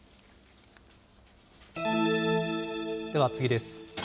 では次です。